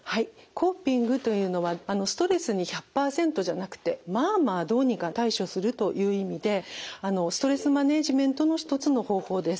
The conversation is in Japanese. コーピングというのはストレスに１００％じゃなくてまあまあどうにか対処するという意味でストレスマネジメントの一つの方法です。